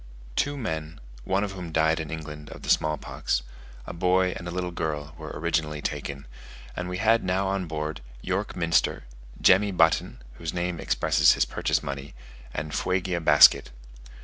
Two men, one of whom died in England of the small pox, a boy and a little girl, were originally taken; and we had now on board, York Minster, Jemmy Button (whose name expresses his purchase money), and Fuegia Basket.